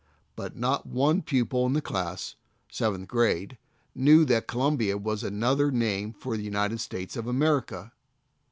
Bi;t not one pupil in the class (seventh grade) knew that Columbia was another name for United States of America.